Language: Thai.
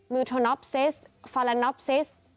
มิวทอนอพซิสฟาลานอพซิส